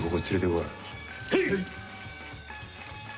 はい。